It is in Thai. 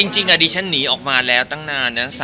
จริงอดีตฉันหนีออกมาแล้วตั้งนาน๓ปีแล้วเนาะ